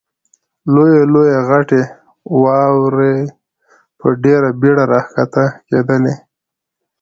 لویې لویې غټې واورې په ډېره بېړه را کښته کېدلې.